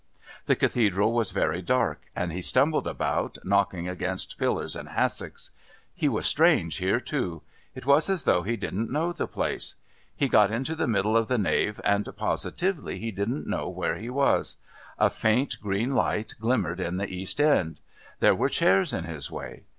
The Cathedral was very dark, and he stumbled about, knocking against pillars and hassocks. He was strange here. It was as though he didn't know the place. He got into the middle of the nave, and positively he didn't know where he was. A faint green light glimmered in the East end. There were chairs in his way.